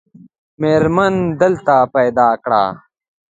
مېرمن دلته پیدا کړه.